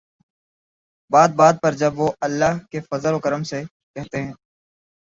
بات بات پر جب وہ'اللہ کے فضل و کرم سے‘ کہتے ہیں۔